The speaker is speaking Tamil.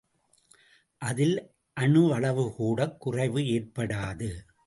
அதில் அணுவளவுகூடக் குறைவு ஏற்படாது.